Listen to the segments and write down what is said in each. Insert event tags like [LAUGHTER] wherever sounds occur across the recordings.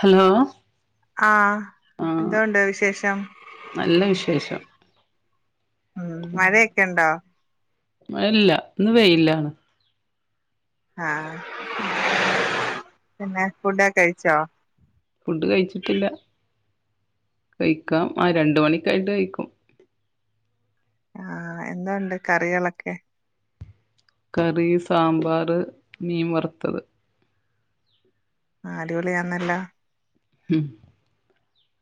Hello ആഹ് ആഹ് എന്തോണ്ട് വിശേഷം നല്ല വിശേഷം ഉം മഴയൊക്കെ ഉണ്ടോ ഇല്ല ഇന്ന് വെയിലാണ് ആഹ് ഉം [UNINTELLIGIBLE] പിന്നെ ഫുഡോക്കെ കഴിച്ചോ ഫുഡ് കഴിച്ചിട്ടില്ല കഴിക്കാം ആഹ് രണ്ട് മണിക്കായിട്ട് കഴിക്കും ആഹ് എന്തോയുണ്ട് കറികളൊക്കെ കറി സാമ്പാറ് മീൻ വറുത്തത് അടിപൊളി ആണല്ലോ ഉം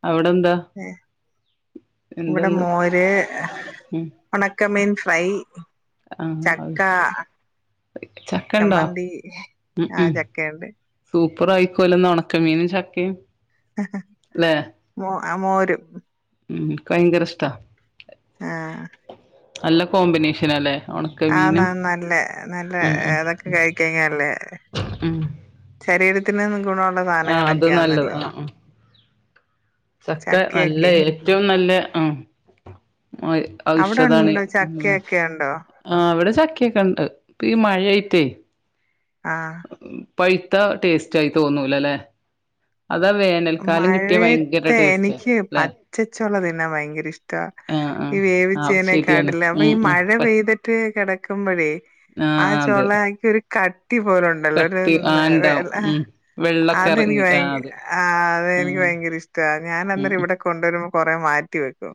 അവിടെന്താ ഇവിടെ മോര് ഉം ഉണക്കമീൻ ഫ്രൈ ആഹ് അത് ചക്ക ചക്ക ഉണ്ടോ ചമ്മന്തി ഉം ആഹ് ഉം ചക്കയുണ്ട് സൂപ്പർ ആയിരിക്കുവല്ലോ ഇന്ന് ഒണക്ക മീനും ചക്കയും അല്ലെ മോ ആ മോരും ഉം എനിക്ക് ഭയങ്കര ഇഷ്ട്ട ആഹ് നല്ല കോമ്പിനേഷൻ ആ ഇല്ലേ ഒണക്കെ ആന്ന് മീനും ആന്ന് നല്ല നല്ല ഉം ഉം അതൊക്കെ കഴിക്കഴിഞ്ഞാല്ലേ ഉം ശരീരത്തിന് എന്നും ഗുണമുള്ള ആഹ് അത് നല്ലത് സാധനങ്ങളൊക്കെയാന്നല്ലോ ആഹ് ആഹ് ചക്ക നല്ല ചക്കയൊക്കെ ഏറ്റവും നല്ല ആഹ്- അവിടെ ഔഷധാണ് ഉണ്ടോ ചക്കയൊക്കെ ഉണ്ടോ ആ ഇവിടെ ചക്കയൊക്കെണ്ട് ഇപ്പ ഈ മഴയായിട്ടേ ആഹാ പഴുത്ത ടേസ്റ്റ് ആയി തോനൂലല്ലേ അതാ വേ- മഴയത്തെ എനിക്ക് അല്ലെ പച്ചച്ചുള തിന്നാൻ ഭയങ്കര ഇഷ്ടാ ആഹ് ഈ ആഹ് ആഹ് ശരിയാണ് വേവിച്ചേനെക്കാട്ടിലും അപ്പൊ ഉം ഈ ഉം മഴ പെയ്തിട്ട് - പ്പ ഈ കെടക്കുമ്പോഴേ ആ ആഹ് അതെ ചൊളക്ക് ഒരു കട്ടി പോലെയുണ്ട് കട്ടി ആഹ് ഉണ്ടാവും ണ്ടല്ലോ ഉം വെള്ളൊക്കെ ഇറങ്ങി അതെനിക്ക് ആഹ് അതെ [UNINTELLIGIBLE] ആ അതെനിക്ക് ഉം ഭയങ്കര ഇഷ്ട്ടവാ ഞാൻ ഉം അന്നേരം ഇവിടെ കൊണ്ടുവരുമ്പോ കൊറേ മാറ്റി വെക്കും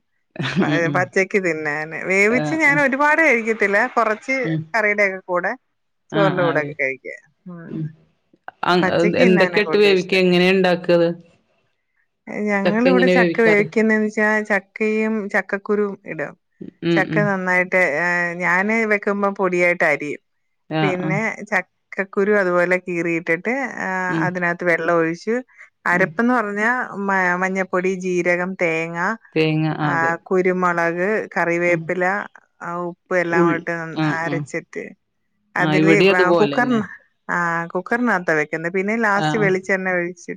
ഉം ഉം ഉം പച്ചക്ക് തിന്നാന് വേവിച്ച് ആഹ് ഞാൻ ഒരുപാട് കഴിക്കത്തില്ല കൊറച്ച്- ച്ച് ഉം കറിയുടെ ഒക്കെ കൂടെ ആഹ് ചോറിന്റെ കൂടെ ഒക്കെ കഴിക്കുക ആഹ് അത് ആ എന്തൊക്കെ ഇട്ട് ഇഷ്ടം. വേവിക്കുക എങ്ങനെയ ഉണ്ടാക്ക അത് ഞങ്ങളിവിടെ ചക്ക വേവിക്കാറ് വേവിക്കുന്നന്ന് വെച്ചാ ചക്കയും ചക്കക്കുരു ഇടും ഉം ചക്ക ഉം നന്നായിട്ട് ആ ഞാന് വെക്കുമ്പോ പൊടിയായിട്ട് അരിയും ആഹ് ആഹ് പിന്നെ ചക്കക്കുരു അതുപോലെ കീറിയിട്ടിട്ട് ആ ഉം അതിനകത്ത്- എന്നിട്ട് വെള്ളം ഒഴിച്ചു ഉം അരപ്പ്ന്ന് പറഞ്ഞാ മ മഞ്ഞപ്പൊടി ജീരകം തേങ്ങ- തേങ്ങ ആഹ് ആ അതെ കുരുമുളക് ഉം കറിവേപ്പില ആ ഉപ്പ് ഉള്ളി എല്ലാംകൂടിട്ട് ന ആഹ് ആഹ് അരച്ചിട്ട്. ആഹ് അതില് ഇവിടെയും വാ അതുപോലെന്നെ കുക്കർന്ന്. ആഹ് കുക്കറിനകത്ത വെക്കുന്നത് പിന്നെ ലാസ്റ്റ് ആഹ് വെളിച്ചെണ്ണെ ഒഴിച്ച്.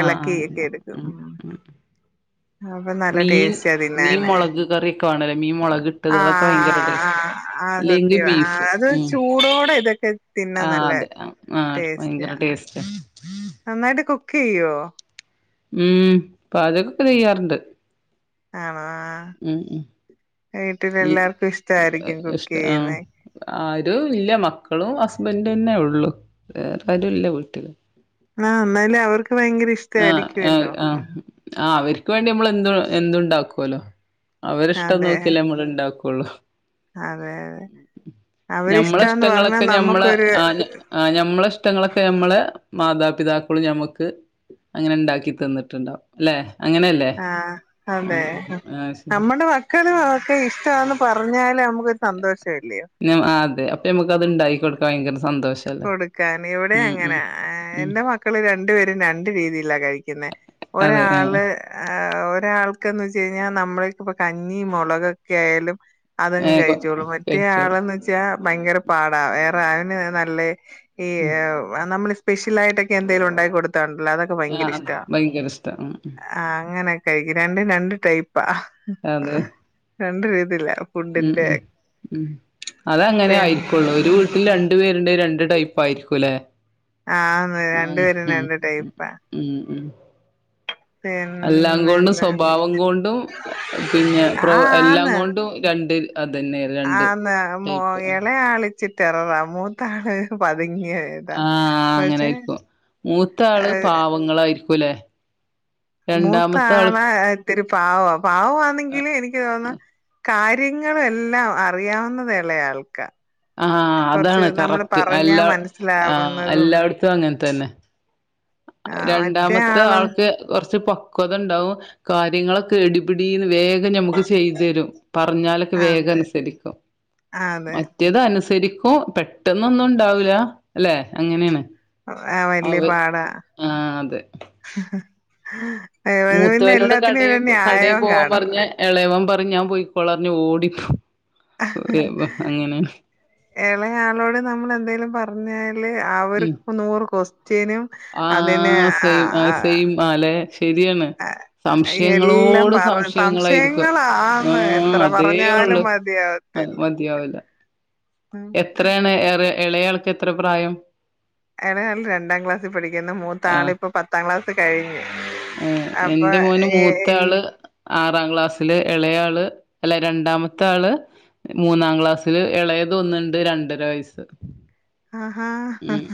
എളക്കിയെക്കെ എടുക്കും ഉം. അപ്പൊ നല്ല മീൻ ടേസ്റ്റ മീൻ തിന്നാന് മുളക് കറിയൊക്കെ വേണല്ലേ മീൻ മുളക് ഇട്ടത് അതൊക്കെ ആഹ് ഭയങ്കര ടേസ്റ്റ് ആഹ് ആഹ് ആഹ് ആഹ്. ആഹ് അല്ലെങ്കിൽ സത്യവാ ആ ബീഫ് അത് ഉം ചൂടോടെ ഇതൊക്കെ. തിന്നാൻ ആഹ് നല്ല അതെ ആഹ് ടേസ്റ്റാ ഭയങ്കര ടേസ്റ്റ. നന്നായിട്ട് കുക്കെയ്യുവോ. ഉം പാചകൊക്കെ ചെയ്യാറുണ്ട്. ആണോ ആഹ് ഉം ഉം ഈ വീട്ടിലെല്ലാർക്കും ഇഷ്ടമായിരിക്കും കുക്ക് ചെയ്യുന്നെ. ആരു ഇല്ല മക്കളും ഹസ്ബൻഡും തന്നെ ഉള്ളു വേറാരൂല്ല വീട്ടില്. ആഹ് എന്നാലും അവർക്ക് ഭയങ്കര ആഹ് ആഹ് ഇഷ്ടായിരിക്കുവല്ലോ ഉം. ആഹ് അവര്ക്ക് വേണ്ടി നമ്മള് എന്ത് എന്തുണ്ടാക്കുവല്ലോ അവരിഷ്ടം അതെ നോക്കിയല്ലേ നമ്മള് ഉണ്ടാക്കു. ഒള്ളൂ അതെ അതെ അവരിഷ്ടാന്ന് പറഞ്ഞാ ഞമ്മളെഷ്ടങ്ങളൊക്കെ ഞമ്മള നമ്മുക്കൊരു ആ ആഹ് ഞമ്മളെഷ്ടങ്ങളൊക്കെ ഞമ്മളെ മാതാപിതാക്കളു ഞമ്മക്ക്. അങ്ങനെണ്ടാക്കി തന്നിട്ടുണ്ടാവു ലെ. ആഹ് അതെ ആ ശരി നമ്മുടെ വ ക്കലു ഒക്കെ ഇഷ്ടമാന്ന് പറഞ്ഞാല് നമുക്കൊരു സന്തോഷം അല്ലയോ. നം ആതെ അപ്പൊ നമുക്ക് അത്ണ്ടായി കൊടുക്കാൻ ഭയങ്കര സന്തോഷം. കൊടുക്കന് ഇവിടെ അങ്ങന ഏ ഉം എന്റെ മക്കള് രണ്ടു പേരും രണ്ട് രീതിയില കഴിക്കുന്നെ. അതെ ആഹ് ഒരാള്. ഒരാൾക്കന്ന് വെച്ച് കഴിഞ്ഞാ നമ്മളിക്കപ്പ കഞ്ഞി മുളകൊക്കെയാലും. അതങ്ങ് ഏഹ് കൊ കഴിച്ചോളു മറ്റേ കഴിച്ചോളും ആളന്ന് വെച്ചാ ഭയങ്കര പാടാ വേറെ [UNINTELLIGIBLE] നല്ലത്. ഈ ഉം നമ്മള് സ്പെഷ്ലായിട്ടൊക്കെ എന്തെങ്കലും ഉണ്ടാക്കി കൊടുത്താണ്ടല്ലോ അതൊ ആഹ് അത് ഭയങ്കരഷ്ട ഉം. ആഹ് അങ്ങനെക്കെ കഴിക്കും രണ്ട് രണ്ട് ടൈപ്പാ അതെ രണ്ട് രീതില്ല. ഉം ഉം ഉം അതങ്ങനെ പിന്നെ ആയിരിക്കുള്ളൂ ഒരു വീ ട്ടിൽ രണ്ടു പേരുണ്ടെ രണ്ട് ടൈപ്പായിരിക്കും ലെ. ആന്ന് രണ്ടുപേരും രണ്ട് ടൈപ്പാ. ഉം ഉം. എല്ലാം കൊണ്ടും പിന്നെന്താ സ്വഭാവം കൊണ്ടും പിന്നെ ആഹ് പ്രവ എല്ലാം കൊണ്ടും രണ്ട് ആന്ന്. അതന്നെ രണ്ട് ആന്ന് അത് മോ ടൈപ്പ് ഇളെ ആളിച്ചിട്ടെററ മൂത്താള് പതുങ്ങിയ. ആഹ് ആഹ് അങ്ങനയിരിക്കും മൂത്ത ആള് ഏഹ് പാവങ്ങളായിരിക്കും ലേ. മൂത്താള ഇത്തിരി പാവ പാവവാന്നെങ്കിലും എനിക്ക് തോന്നുന്നു. കാര്യങ്ങള് എല്ലാം അറിയാവുന്നതെളെ ആൾക്ക. ആഹ് കൊറച്ച് അതാണ് നമ്മള് കറക്റ്റ് പറഞ്ഞാ എല്ലാ ആഹ് മനസിലാവുന്നതും. എല്ലായിടത്തും അങ്ങനെ തന്നെ രണ്ടാമത്തെ ആള് ആൾക്ക് കുറച്ച് പ ക്വതണ്ടാവും കാര്യങ്ങളൊക്കെ ഇടിപിടിന്ന് വേഗം നമുക്ക് ചെയ്തു തരും പറഞ്ഞാലൊ ക്കെ അതെ വേഗനുസരിക്കും അതെ ഒ റ്റെത് അനുസരിക്കും പെട്ടെന്നൊന്നും ഉണ്ടാവൂല അല്ലെ അങ്ങനെണ്. ആ വല്ല്യ പാടാ. ആഹ് അതെ ഏഹ് പിന്നെ മൂത്തവനോട് എല്ലാത്തിനും കടയി ഒരു കടയി ന്യായവും പോവാൻ പറഞ്ഞ കാണും എളയവം പറയും ഞാൻ പോയിക്കോളാം പറഞ്ഞ് ഓടിപ്പോ എളയ ആളോട് നമ്മള് എന്തേലും പറഞ്ഞാൽ. ല് ഉം അവർക്ക് നൂറ് ക്വൊസ്റ്റ്യനും ആഹ് സെയ് ആഹ് സെയിമാലേ ശരിയാണ് ആ എല്ലാം സംശയങ്ങളോട് പറ സംശയങ്ങളായിരിക്കും സംശയങ്ങളാന്ന് ആഹ് എത്ര അതേ പറഞ്ഞാലും ഉള്ളു മതിയാവത്തില്ല. മതിയാവില്ല ഉം എത്രയാണ് ഏറെ എളയാൾക്ക് എത്രെ പ്രായം എളയാൾ രണ്ടാം ക്ലാസ്സി പഠിക്കുന്നു മൂത്ത ആള് ആഹ് ഇപ്പൊ പത്താം ക്ലാസ് കഴിഞ്ഞ് ഏഹ് അപ്പൊ എന്റെ മോന് ഏ മൂത്ത ആള് ആറാം ക്ലാസ്സില് എളയ ആള് അല്ല രണ്ടാമത്ത ആള് മൂന്നാം ക്ലാസ്സില് എളയത് ഒന്നുണ്ട് രണ്ടര വയസ്സ് ആഹ് ഉം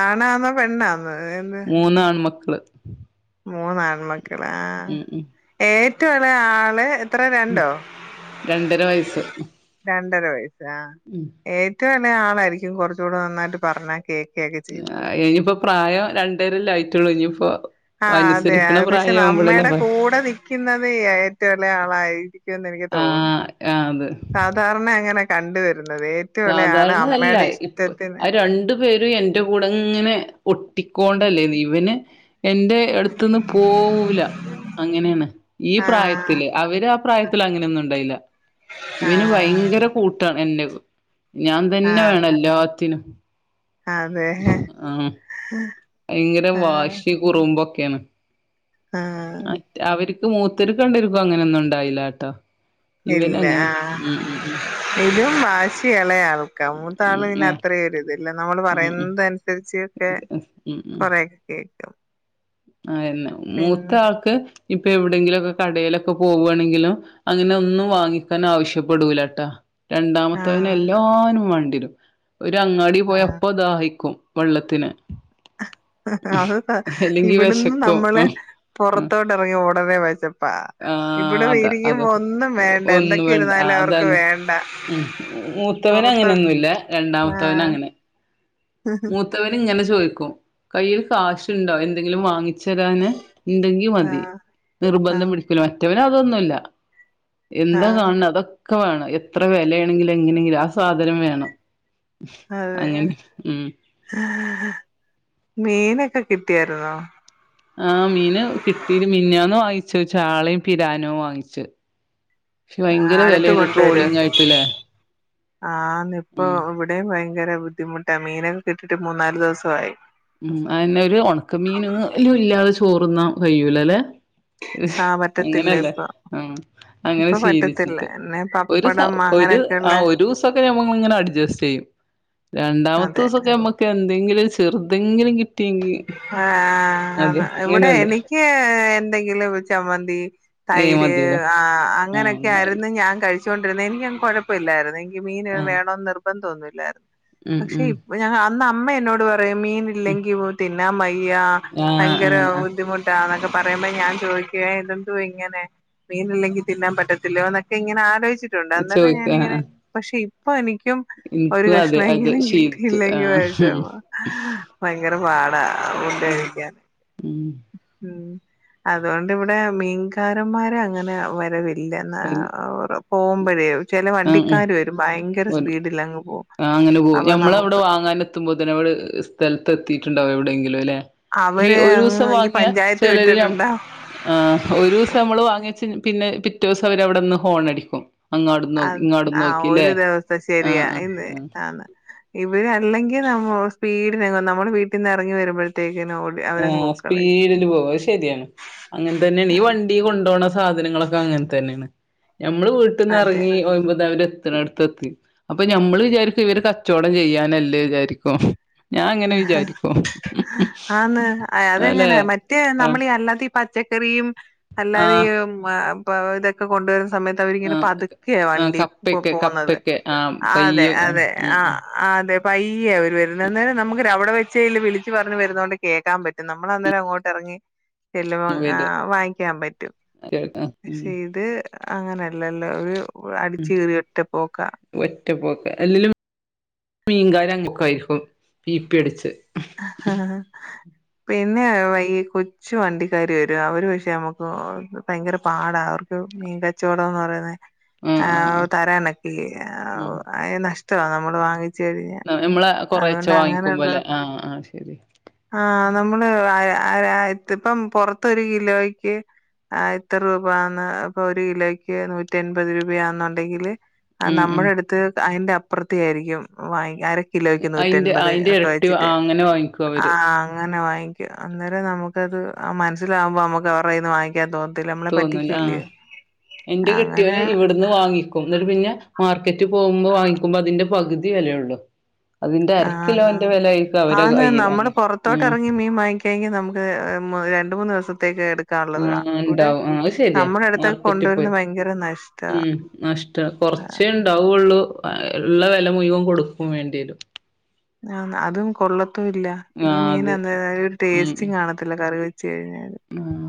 ആണാന്നൊ പെണ്ണാന്നൊ [UNINTELLIGIBLE] മൂന്നാൺ മക്കള് മൂന്ന് ആൺമക്കള് ആഹ് ഉം ഏറ്റവു എളയ ആളെ അത്ര രണ്ടൊ രണ്ടര രണ്ടര വയസ്സ് ആഹ് ഉം ഏറ്റവും എളയ ആളായിരിക്കും കൊറ്ച്ചൂടെ നന്നായിട്ട് പറഞ്ഞാ കേ ഇനിയിപ്പൊ പ്രായം രണ്ടരല്ലെ ആയിറ്റുള്ളു ഇനിയിപ്പൊ ആഹ് അതെ അത പക്ഷെ നമ്മടെ കൂടെ നിക്ക്ന്നത് ഏറ്റവു എളയ ആളായിരിക്കും ക്കും എനിക്ക് തോന്നുന്നു ആഹ് അത് സാധാര്ണ അങ്ങനെ കണ്ടുവരുന്നത് ഇളയ ആള് സാധാര്ണ അല്ല അമ്മയുടെ ഇപ്പൊ ഇഷ്ടത്തിന് അഹ് രണ്ട് വെരും എന്റെ കൂടെ ഇങ്ങനെ ഒട്ടിക്കോണ്ടല്ലെ ഇവന് എന്റെ അടുത്ത്ന്ന് പോവൂല അങ്ങനേണ് ഈ ആഹ് പ്രായത്തില് അവര് ആഹ് പ്രായത്തില് അങ്ങനെയൊന്നു ഉണ്ടായില ഇവന് ആഹ് ഭയങ്കര കൂട്ടാണ് എന്നെ ഞാൻ തന്നെ വേണം എല്ലാത്തിനും അതേ ആ ഭയങ്കര വാശി കുറുമ്പൊക്കേണ് ആഹ് അവര്ക്ക് മൂത്തോര്ക്കണ്ടേര്ക്കും അങ്ങനൊന്നും ഇണ്ടായിലാട്ടൊ ഇവന് ഇല്ല അങ്ങനെ ആഹ് ഉം ഉം ഉം ഇതും വാശിയാണ് [UNINTELLIGIBLE] കമൂത്ത ആളും ഉം ഉം ഉം പിന്നെ ആഹ് അത്രയും ഒരി ഇതില്ല നമ്മള് ഉം പറയുന്നത് അനുസരിച്ച് ഒക്കെ ഉം കൊറെയൊക്കേ ആഹ് മൂത്ത പിന്നെ ആൾക്ക് ഇപ്പൊ എവിടെങ്കിലൊക്കെ കടയിലൊക്ക പോവാണെങ്കിലും അങ്ങനെ ഒന്നും വാങ്ങിക്കാന് ആവശ്യപ്പെടൂലട്ടൊ രണ്ടാമത്തോന് ആഹ് എല്ലാനും വാണ്ട്യരും ഒരു അങ്ങാടി പോയ ആഹ് അപ്പൊ ദാഹിക്കും വള്ളത്തിന് അത് അല്ലെങ്കി ഇവിടുന്ന് വെശക്കും നമ്മളെ ഉം ഉം പൊറത്തോട്ടെറങ്ങ്യ ഉടനെ വെഷപ്പാ ആഹ് ഇവിടെ അതാ അത് ഇരിക്കുമ്പൊ ഒന്നും വേണ്ട ഒന്നും എന്തൊക്കെ വേണ്ട ഇരുന്നാലും അവർക്ക് അതാണ് വേണ്ട ഉം മൂത്തവന് പുറത്ത് അങ്ങനൊന്നുല്ല രണ്ടാമത്തവന് ആഹ് അങ്ങനെ മൂത്തവന് ഇങ്ങനെ ചോദിക്കും കയ്യില് കാശുണ്ടൊ എന്തെങ്കിലും വാങ്ങി ച്ചരാന് ഇണ്ടെങ്കി മതി ആഹ് നിർബന്ധം ആഹ് പിടിക്കൂല മറ്റവന് അതൊന്നുല്ല എന്താ ആഹ് കാണ്ണെ അതൊക്ക വേണം എത്ര വെലയാണെങ്കിലും എങ്ങനെങ്കിലും ആഹ് സാധനം വേണം അങ്ങനെ ഉം മീനൊക്ക കിട്ടിയാര്ന്നോ ആഹ് മീന് കിട്ടീല് മിന്നാന്ന് വാങ്ങിച്ചു ചാളയും പിരാനും വാങ്ങിച്ച് പക്ഷെ ആഹ് ഭയങ്കര അടുത്ത് വെലേണ് കൊണ്ടുവരോ ട്രോളിങ് ആയിട്ട്ലേ ഉം ഇവിടെ ഭയങ്കര ബുദ്ധിമുട്ടാ മീനൊക്കെ കിട്ടിട്ട് മൂന്നാല് ദിവസവായി ഉം അയന്നെ ഒരു ഉണക്കമീന്ല്ലു ഇല്ലാതെ ചോറ്ന്നാൻ കയുലാല്ലെ ഹ് ആഹ് പറ്റത്തില്ല അങ്ങനെയല്ലേ ഇപ്പൊ ആഹ അങ്ങനെ ഇപ്പൊ പറ്റത്തില്ല ശീലിച്ചിട്ട് പിന്നെ ഒരു ദിവസം പപ്പടം ഒരു അങ്ങനെയൊക്കെയുള്ള ആ ഒരു ദിവസൊക്കെ നഞമ്മ ഇങ്ങനെ അഡ്ജസ്റ്റ് ചെയ്യും രണ്ടാമത്തെ അതെ ദിസൊക്കെ നമ്മക്ക് എന്തെങ്കിലും ചെറുതെങ്കിലും കിട്ടിയെങ്കി ആ അതെ ണ് ഇവിടെ അങ്ങനെയല്ലേ എനിക്ക് എന്തെങ്കിലും ചമ്മന്തി ഏയ് തൈര് മതില്ലേ ആ ആഹ് അങ്ങനൊക്കെയ എന്നാല് ആയിരുന്നു ഞാൻ കഴിച്ചൊണ്ടിരുന്നത് എനിക്ക കൊഴപ്പമില്ലായിരുന്നു മീന് ആഹ് വേണോന്ന് നിർബന്ധന്നൊന്നില്ലായിരുന്നു ഉം പക്ഷെ ഉം ഇപ്പ അന്ന് അമ്മ എന്നോട് പറയും മീൻ ഇല്ലെങ്കിൽ തിന്നാൻ വയ്യാ ആഹ് ഭയങ്കര അങ്ങനെ ബുദ്ധിമുട്ട് ട്ടാ എന്നൊക്കെ പറയുമ്പോ ഞാൻ ചോദിക്കുവേ ഇതന്ത്വാ ഇങ്ങനെ മീന ഇല്ലെങ്കിൽ തിന്നാൻ പറ്റത്തില്ലോ എന്നൊക്കെ ഇങ്ങനെ ആലോചി ട്ടുണ്ട് ആഹ് അന്നേരം ചോയ്ക്ക ഞാനിങ്ങനെ ആഹ് പക്ഷെ ഇപ്പൊ എനിക്കും ഒരു ഇൻക്കും അതെ കഷ്ണം അതെ എങ്കിലും ശീലിച്ചു കിട്ടിയില്ലെങ്കിൽ ആഹ് വെഷമാ ഭയങ്കര പാടാ ഫുഡ് ആ ഉം കഴിക്കാൻ ഉം അതുകൊണ്ട് ഇവിടെ മീൻകാരന്മാര അങ്ങനെ വരവി ഇല്ല എന്നാ ആഹ് പോകുമ്പോഴേ ചെല വണ്ടിക്കാര് വരും ഭയങ്കര സ്പീഡിലങ്ങ് പോക്കും ആ അങ്ങനെ പോക്കും ഞമ്മളവിടെ വാങ്ങാന എത്തുബത്തിന് അതിനെവിടെ സ്ഥലത്ത് എത്തിയിട്ടുണ്ടാവോ എവിടെയെങ്കിലും ല്ലേ ഹെ അവര് അങ്ങ് ഒരൂസം ഈ വാങ്ങിയ പഞ്ചായത്ത് ചിലര ഞമ് വിട്ടിട്ടുണ്ടാവും ആഹ് ഒരൂസം നമ്മള് വാങ്ങിച്ച് പിന്നെ പിറ്റേ ദിവസം അവര് അവിടെന്ന് ഹോണടിക്കും അങ്ങാടും നോക്കി അത് ഇങ്ങാടും ആഹ് നോക്കില്ലേ ഒരു ദിവസം ആ ശരിയാ ആ ആന്ന് ഇവര് അല്ലെങ്കിൽ നമ്മൾ സ്പീഡിനങ്ങും നമ്മുടെ വീട്ടിൽ നിന്ന് ഇറങ്ങി വരുമ്പോഴത്തേക്കിന ഓ ആ സ്പീഡില് പോവും അത്ശരിയാണ് അങ്ങനെ തന്നെയാണ് ഈ വണ്ടി ഉം വണ്ടിയിൽ കൊണ്ടുപോകുന്ന സാധനങ്ങളൊക്കെ അങ്ങനെ തന്നെയാണ് ഞമ്മള് വീട്ട്ന്ന് അതെ എറങ്ങി ഒമ്പതാര് എടുത്ത് അപ്പൊ ഞമ്മള് വിചാരിക്കും ഇവര് കച്ചവടം ചെയ്യാനല്ലേ വിചാരിക്കും ഞാൻ അങ്ങനെ വിചാരിക്കോ ഹും ഹും അ അതെങ്ങനെ മറ്റേ നമ്മള് അല്ലാതെ ഈ പച്ചക്കറിയും അല്ലാതെ ആഹ് ഈയ് അപ്പ ഇതൊക്കെ കൊണ്ടുവര സമയത്ത് അവരിങ്ങനെ ആഹ് പതുക്കെയ ആഹ് വണ്ടി കപ്പക്കെ പോകുന്നത് കപ്പക്കെ ആഹ് അതെ പയ്യെ ഉം അതെ ആ ഉം ആ അതെ പയ്യേ അവര് വരുന്നത് അന്നേരം നമ് അവിടെ വെച്ചൽ വിളിച്ച് പറഞ്ഞു വരുന്നോണ്ട് കേൾൻ പറ്റും നമ്മള അന്നേരം അങ്ങോട്ട ഇറങ്ങി ചല്ല വരും വാങ്ങിക്കാൻ പറ്റും ഉം പക്ഷെ ഇത് അങ്ങനെയല്ലല്ലോ ഒരു അടിച്ച കേറി ഒറ്റ പോക്കാ ഒറ്റപ്പോക്കെ അല്ലിലും മീകാര് അങ്ങക്കെ ആയിരിക്കും പിപ്പി അടിച്ച് ആ പിന്നെ ഈ [UNINTELLIGIBLE] കുറച്ചച്ച് വണ്ടിക്കാര് വരും അവര് പക്ഷെ നമുക്ക് ഭയങ്കര പാടാ അവർക്ക് മീൻകച്ചവടംന്ന് പറയുന്നത് ആഹ് ആ ആഹ് ആഹ് തരാനൊക്കി ഉം ആ നഷ്ടമാ നമ്മള് വാങ്ങ നമ്മള് കൊറേച്ച വാങ്ങിക്കുമ്പോലെ ആഹ ആ് ശരി ആഹ നമ്മള് ആ ആ ഇപ്പം പുറത്ത് കിലോയ്ക്ക് ആഹ് ഇത്ര രൂപന്ന് ഇപ്പൊ ഒരു കിലോയ്ക്ക് നൂറ്റി എൺപത് രൂപയാെന്നുണ്ടെങ്കില് ഉം ഉം നമ്മുടെ അടുത്ത് അതിന്റെ അപ്പുറത്തി ആയിരിക്കും വാങ്ങി കിലോയ്ക്ക് നൂറ്റമ്പത് ഒക്കെ വെച്ചിട്ട് അങ്ങെ വാങ്ങിക്കും അവര് ആഹ് അങ്ങനെ വാങ്ങിക്കു അന്നേരം നമുക്കത് മനസ്സിലാകുമ്പോ നമ്മുക്ക് അവരുന്ന് വാങ്ങിക്കും തോതില്ലാ നമ്മളെ തോന്നൂല പറ്റിക്കല്ലേ ആഹ് അങ്ങനെ എന്നട്ട് പിന്നെ മാർക്കറ്റിൽ പോകുമ്പോ വാങ്ങിക്കുമ്പോ അതിന്റെ പകുതി വിലയുള്ളു അതിന്റെ അരക്കിലോന്റെ ആന്നാന്ന് വില ആയിക്കും അവരെ കയ്യി അങ്ങനെ മം ഒക്കെങ്കിൽ നമുക്ക് രണ്ട് മൂന്ന് ദിവസത്തേക്ക് എടുക്കാം ള്ളതാണ് ആഹ് ഇവിടെ ഇണ്ടാവും ആഹ് അത് ശരിയാ നമ്മുടെ അടുത്തൊക്കെ കൊണ്ടുവരുന്നത് ഭയങ്കര നഷ്ട നഷ്ടം കുറച്ചേ ഉണ്ടാവുള്ളൂ ഉള്ള വില മുഴുവം കൊടുക്കും വേണ്ടിയരും ആഹ് അതും കൊള്ളത്തു ഇല്ല ഈ ആഹ് മീൻ അത് എന്തായ ഒരു ഉം ഉം ടേസ്റ്റ കാണത്തില്ല കറി വെച്ച് കഴിഞ്ഞ ആഹ്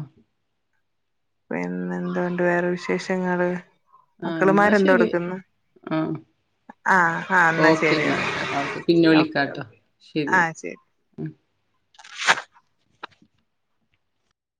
പിന്നെ എന്തണ്ട് വേറെ വിശേഷങ്ങള് ആഹ് എന്നാ മക്കളമാരെന്താ ശരി എടുക്കന്ന് ആഹ് ആഹ് ആഹ് എന്നാ ഓക്കെ ശരി എന്നാൽ ട്ടാ ഓക്കെ പിന്നെ ഓക്കെ വിളിക്കാട്ടോ ഓക്കേ ആഹ് ശരി